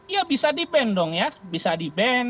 ya bisa di ban dong ya bisa di ban